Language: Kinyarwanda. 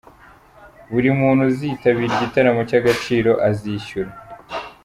Buri muntu uzitabira igitaramo cy’Agaciro azishyura